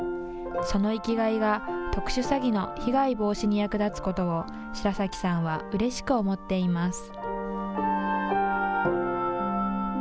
その生きがいが特殊詐欺の被害防止に役立つことを白崎さんはうれしく思っています。